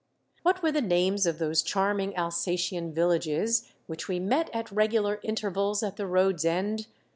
What were the names of those charming Alsatian villages which we met at regular intervals at the Alsace! Alsace! 133 road's end?